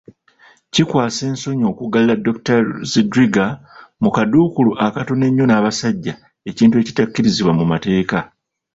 Kikwasa ensonyi okuggalira Dokitaali Zedriga mu kaduukulu akatono ennyo n'abasajja, ekintu ekitakkirizibwa mu mateeka.